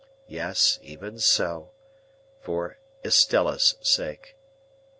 Yes, even so. For Estella's sake.